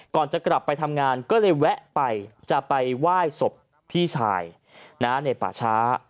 ก่อนจะกลับไปทำงานก็เลยแวะไปจะไปไหว้ศพพี่ชายในป่าช้า